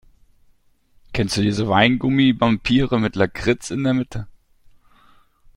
Kennst du diese Weingummi-Vampire mit Lakritz in der Mitte?